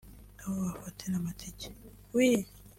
aho bafatira amatike